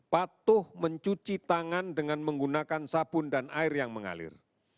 patuh mencuci tangan dengan menggunakan sabun dan air yang mengalir